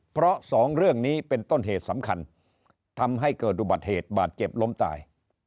เพราะสองเรื่องนี้เป็นต้นเหตุสำคัญทำให้เกิดอุบัติเหตุบาดเจ็บล้มตาย